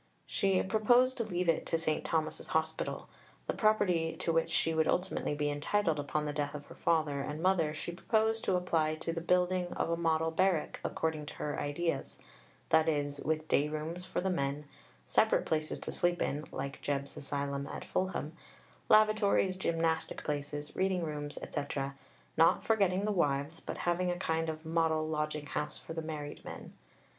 She proposed to leave it to St. Thomas's Hospital. The property to which she would ultimately be entitled upon the death of her father and mother she proposed to apply to the building of a model Barrack according to her ideas; "that is, with day rooms for the men, separate places to sleep in (like Jebb's Asylum at Fulham), lavatories, gymnastic places, reading rooms, etc., not forgetting the wives, but having a kind of Model Lodging House for the married men."